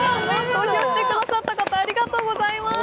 投票してくださった方、ありがとうございます。